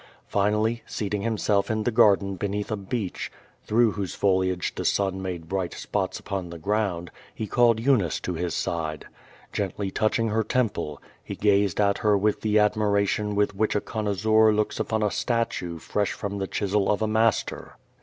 Finally, seating himself in the garden beneath a beech, through whose foliage the sun made bright spots upon the ground, he called Eunice to his side. Gently touch ing her temple, he gazed at her with the admiration with which a connoisseur looks upon a statue fresh from the chisel of a master.